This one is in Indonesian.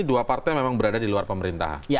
dua partai memang berada di luar pemerintahan